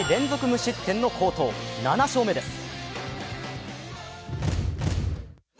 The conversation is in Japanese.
無失点の好投、７勝目です。